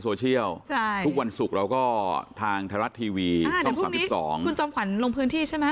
เดี๋ยวพรุ่งนี้คุณจอมขวัญลงพื้นที่ใช่ไหม